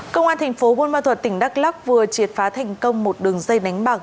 cơ quan tp bôn ma thuật tỉnh đắk lắk vừa triệt phá thành công một đường dây nánh bạc